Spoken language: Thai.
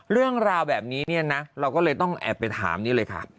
เรื่องราวแบบนี้เนี่ยนะเราก็เลยต้องแอบไปถามนี่เลยค่ะ